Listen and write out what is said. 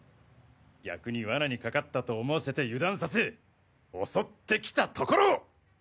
逆に罠にかかったと思わせて油断させ襲ってきたところを。